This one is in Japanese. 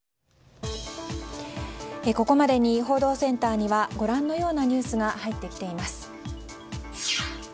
ここまでに報道センターにはご覧のようなニュースが入ってきています。